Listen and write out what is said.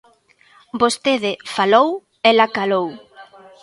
Vostede falou, ela calou.